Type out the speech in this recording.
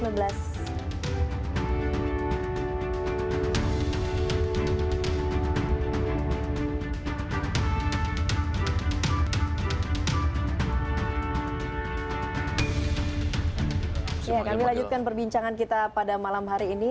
ya kami lanjutkan perbincangan kita pada malam hari ini